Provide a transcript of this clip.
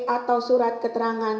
atau surat keterangan